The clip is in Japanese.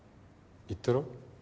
言ったろ？